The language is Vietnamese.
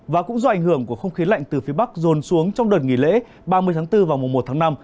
và cũng do ảnh hưởng của không khí lạnh từ phía bắc dồn xuống trong đợt nghỉ lễ ba mươi tháng bốn và một tháng năm